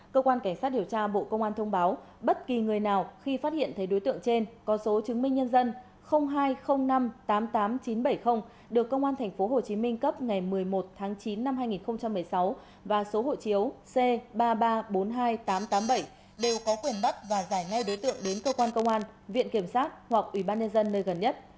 cơ quan cảnh sát điều tra bộ công an thông báo bất kỳ người nào khi phát hiện thấy đối tượng trên có số chứng minh nhân dân hai không năm tám tám chín bảy không được công an tp hcm cấp ngày một mươi một tháng chín năm hai nghìn một mươi sáu và số hộ chiếu c ba triệu ba trăm bốn mươi hai nghìn tám trăm tám mươi bảy đều có quyền bắt và giải ngay đối tượng đến cơ quan công an viện kiểm sát hoặc ủy ban nhân dân nơi gần nhất